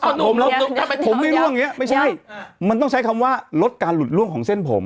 อ้าวหนุ่มทำไมผมไม่ร่วงอย่างนี้ไม่ใช่มันต้องใช้คำว่าลดการหลุดร่วงของเส้นผม